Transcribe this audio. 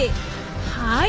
はい！